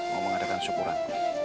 mau mengadakan syukuran